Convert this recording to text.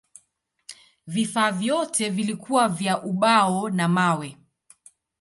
Vifaa vyote vilikuwa vya ubao na mawe.